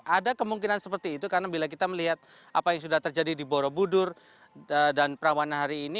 ada kemungkinan seperti itu karena bila kita melihat apa yang sudah terjadi di borobudur dan perawanan hari ini